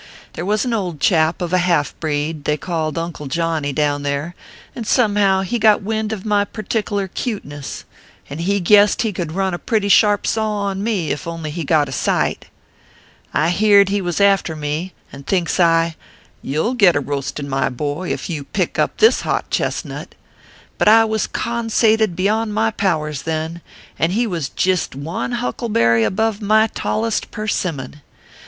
They was an old chap of a half breed they called Uncle Johnny, down there, and somehow he got wind of my pertikler cuteness, and he guessed he could run a pretty sharp saw on me, if he only got a sight. " I heerd he was after me, and thinks I you ll get a roastin , my boy, ef you pick up this hot chest nut : but I was consated beyond my powers then, and he was jist one huckleberry above my tallest persimmon.